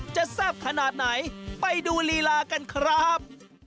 แซ่บขนาดไหนไปดูลีลากันครับ